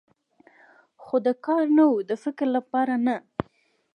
خو د کار نه و، د فکر کولو لپاره نه.